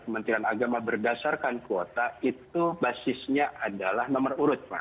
kementerian agama berdasarkan kuota itu basisnya adalah nomor urut pak